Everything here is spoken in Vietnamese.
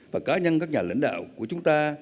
và cá nhân các nhà lãnh đạo của chúng ta